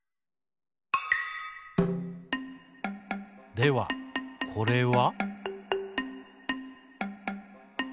ではこれは？